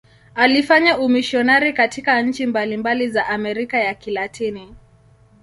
Alifanya umisionari katika nchi mbalimbali za Amerika ya Kilatini.